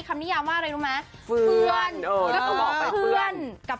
ครับ